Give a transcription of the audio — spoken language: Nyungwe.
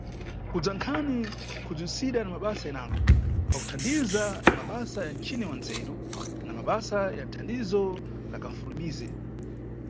Kubza Nkhani, kudziwisidwa, na mabasa enango, pakukanthaniza na mabasa ya michini ya ndzeru na mabasa ya thandizo la kanʼfulumize.